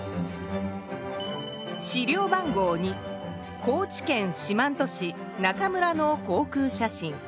資料番号２高知県四万十市中村の航空写真。